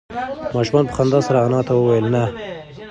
ماشوم په خندا سره انا ته وویل نه.